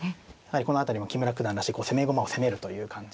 この辺りも木村九段らしい攻め駒を責めるという感じで。